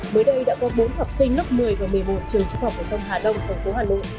mới đây đã có bốn học sinh lớp một mươi và một mươi một trường trung học phổ thông hà đông thành phố hà nội